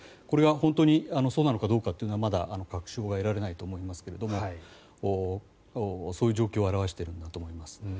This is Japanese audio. これは本当にそうなのかどうかはまだ確証は得られないと思いますがそういう状況を表しているんだと思います。